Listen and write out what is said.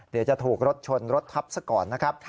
เดี๋ยวจะถูกรถชนรถทับซะก่อนนะครับ